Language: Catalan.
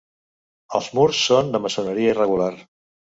Els murs són de maçoneria irregular.